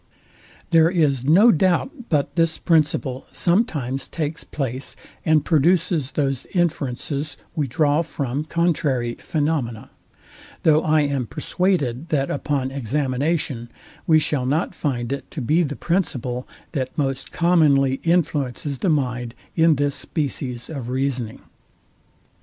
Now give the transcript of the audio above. There is no doubt but this principle sometimes takes place, and produces those inferences we draw from contrary phaenomena: though I am perswaded, that upon examination we shall not find it to be the principle, that most commonly influences the mind in this species of reasoning.